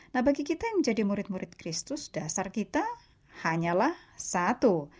nah bagi kita yang menjadi murid murid kristus dasar kita hanyalah satu